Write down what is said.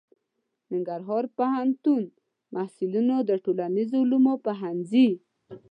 ننګرهار پوهنتون محصلینو د ټولنیزو علومو پوهنځي